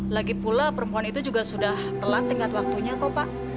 lagi pula perempuan itu juga sudah telat tingkat waktunya kok pak